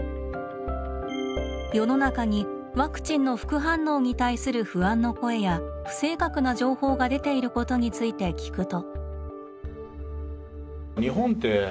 世の中にワクチンの副反応に対する不安の声や不正確な情報が出ていることについて聞くと。